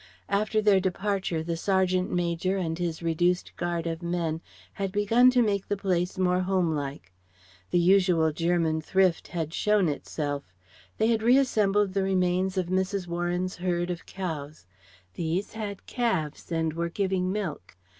After their departure the sergeant major and his reduced guard of men had begun to make the place more homelike. The usual German thrift had shown itself. They had reassembled the remains of Mrs. Warren's herd of cows. These had calves and were giving milk.